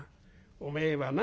おめえはな